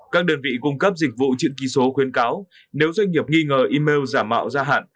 các đơn vị cung cấp dịch vụ chữ ký số khuyến cáo nếu doanh nghiệp nghi ngờ email giả mạo ra hạn